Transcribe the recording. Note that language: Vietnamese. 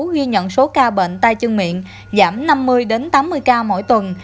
ghi nhận số ca bệnh tay chân miệng giảm năm mươi tám mươi ca mỗi tuần